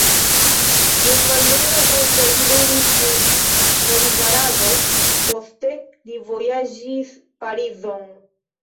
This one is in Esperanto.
Dum mallonga tempo li ludis en Nadjvarado, poste li vojaĝis Parizon.